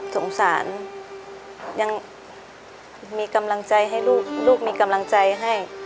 สงสารยังมีกำลังใจให้ลูกลูกมีกำลังใจให้